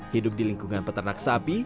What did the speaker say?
hidup di lingkungan peternak sapi